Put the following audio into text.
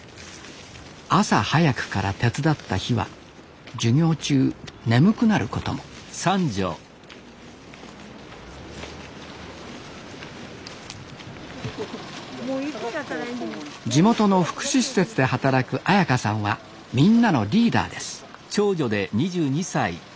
朝早くから手伝った日は授業中眠くなることも地元の福祉施設で働く朱伽さんはみんなのリーダーです